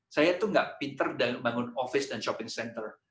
saya itu enggak pinter dalam membangun office dan shopping center